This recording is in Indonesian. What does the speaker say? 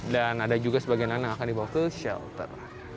dan ada juga sebagian anak anak yang dibawa ke shelter